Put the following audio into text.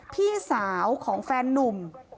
พี่สาวของแฟนนุ่ม